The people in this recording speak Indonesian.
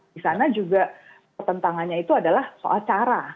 di sana juga pertentangannya itu adalah soal cara